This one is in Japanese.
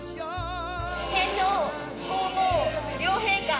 天皇皇后両陛下